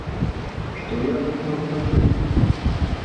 Што я ад іх магу пачуць?